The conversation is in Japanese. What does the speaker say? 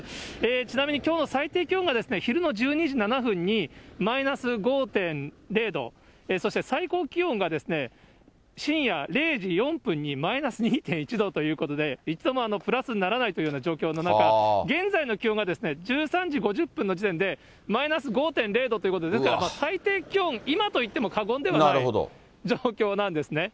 ちなみにきょうの最低気温が昼の１２時７分にマイナス５．０度、そして最高気温が深夜０時４分にマイナス２．１度ということで、一度もプラスにならないというような状況の中、現在の気温が１３時５０分の時点で、マイナス５．０度ということですから、最低気温、今といっても過言ではない状況なんですね。